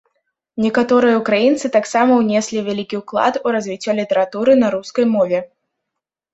Некаторыя ўкраінцы таксама ўнеслі вялікі ўклад у развіццё літаратуры на рускай мове.